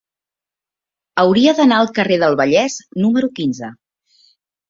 Hauria d'anar al carrer del Vallès número quinze.